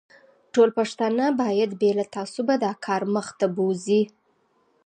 ټوله پښتانه باید بې له تعصبه دا کار مخ ته بوزي.